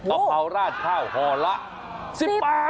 อาพาวราชข้าวห่อละ๑๐บาท